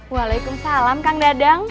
waalaikumsalam kang dadang